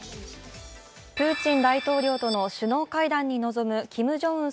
プーチン大統領との首脳会談に臨むキム・ジョンウン